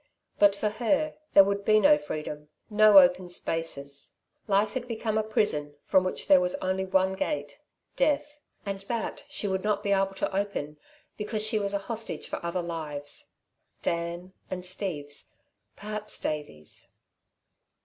But for her, there would be no freedom, no open spaces. Life had become a prison from which there was only one gate Death; and that she would not be able to open because she was a hostage for other lives. Dan's, and Steve's perhaps Davey's.